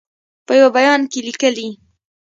په یوه بیان کې لیکلي